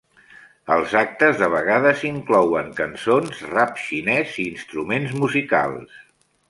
Els actes de vegades incloent cançons, rap xinès i instruments musicals.